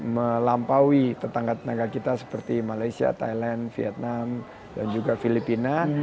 melampaui tetangga tetangga kita seperti malaysia thailand vietnam dan juga filipina